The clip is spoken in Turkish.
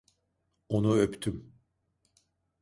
Onu öptüm.